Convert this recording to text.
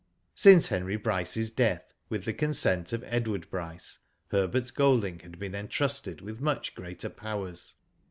Since Henry Bryce^s death, with the consent of Edward Bryce, Herbert Golding had been entrusted with much greater powers.